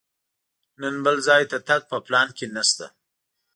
نن بل ځای ته تګ په پلان کې نه شته.